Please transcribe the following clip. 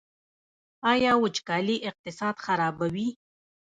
آیا وچکالي اقتصاد خرابوي؟